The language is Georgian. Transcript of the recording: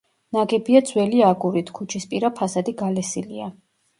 ნაგებია ძველი აგურით, ქუჩისპირა ფასადი გალესილია.